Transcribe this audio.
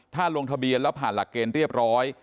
ถ้าลงทะเบียนแล้วผ่านหลักเกณฑ์เรียบร้อย